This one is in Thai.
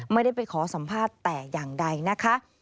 ไม่ได้ไปขอสัมภาษณ์แต่อย่างใดนะคะ